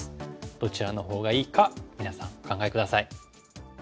どちらのほうがいいか皆さんお考え下さい。